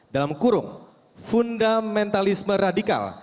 dalam kurung fundamentalisme radikal